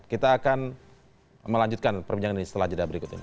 kita akan melanjutkan perbincangan ini setelah jeda berikut ini